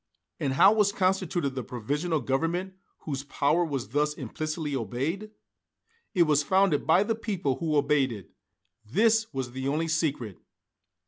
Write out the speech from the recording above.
And how was constituted the Provisional Government whose power was thus implicitly obeyed? It was founded by the people who obeyed it. This was the only secret.